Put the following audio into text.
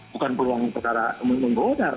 bukan peluang perkara menggoda